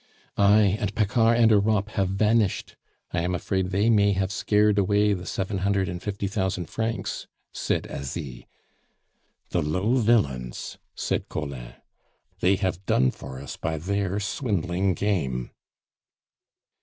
"Ay, and Paccard and Europe have vanished; I am afraid they may have scared away the seven hundred and fifty thousand francs," said Asie. "The low villains!" said Collin. "They have done for us by their swindling game."